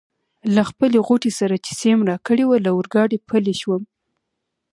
له خپلې غوټې سره چي سیم راکړې وه له اورګاډي پلی شوم.